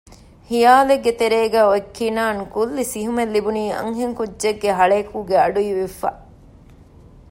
ހިޔާލެއްގެ ތެރޭގައި އޮތް ކިނާން ކުއްލި ސިހުމެއް ލިބުނީ އަންހެން ކުއްޖެއްގެ ހަޅޭކުގެ އަޑުއިވިފަ